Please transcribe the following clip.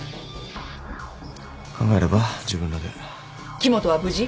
「木元は無事？」